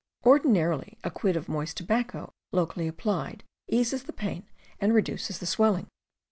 Ordinarily a quid of moist tobacco locally applied eases the pain and reduces the swelling.